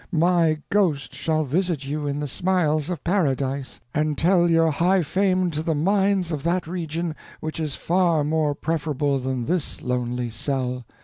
My ghost shall visit you in the smiles of Paradise, and tell your high fame to the minds of that region, which is far more preferable than this lonely cell.